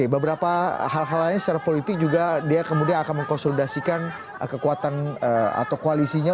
beberapa hal hal lain secara politik juga dia kemudian akan mengkonsolidasikan kekuatan atau koalisinya